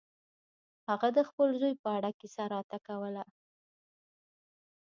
هغه د خپل زوی په اړه کیسه راته کوله.